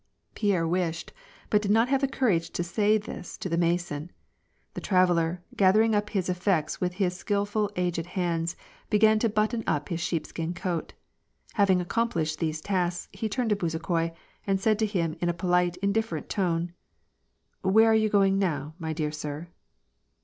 Pierre wished, but had not the courage to say this to the Mason. The traveller, gathering up his eflFects with his skil ful, aged hands, began to button up his sheepskin coat. Hav ing accomplished these tasks, he turned to Bezukhoi, and said to him in a polite, indifferent tone, —" Where are you going now, my dear sir